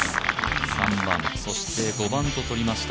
３番、そして５番ととりました